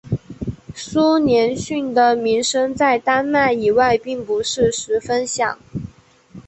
苏连逊的名声在丹麦以外并不是十分响。